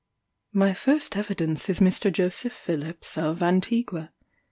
My first evidence is Mr. Joseph Phillips, of Antigua.